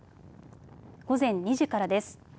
午前２時からです。